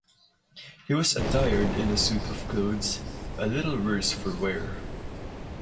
He was attired in a suit of clothes, a little worse for wear.